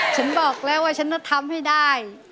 ฉันบอกแล้วว่าฉันจะทำให้ได้